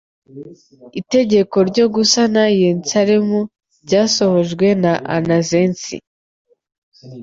Itegeko ryo gusana Yensalemu ryasohojwe na Anazensi'